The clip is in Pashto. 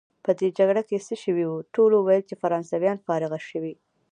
په دې جګړه کې څه شوي وو؟ ټولو ویل چې فرانسویان فارغه شوي.